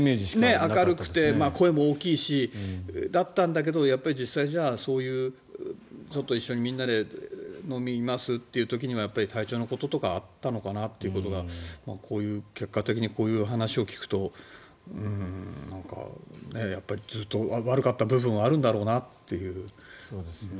明るくて声も大きいしだったんだけど実際、一緒にみんなで飲みますという時には体調のこととかあったのかなっていうことが結果的にこういう話を聞くとやっぱりずっと悪かった部分はあるんだろうなっていう。